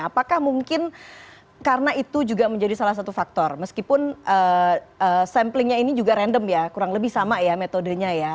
apakah mungkin karena itu juga menjadi salah satu faktor meskipun samplingnya ini juga random ya kurang lebih sama ya metodenya ya